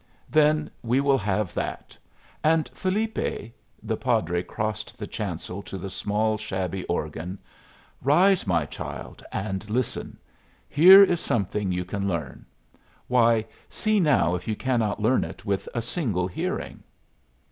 "Then we will have that. And, Felipe " The padre crossed the chancel to the small shabby organ. "Rise, my child, and listen. Here is something you can learn. Why, see now if you cannot learn it with a single hearing."